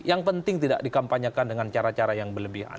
yang penting tidak dikampanyekan dengan cara cara yang berlebihan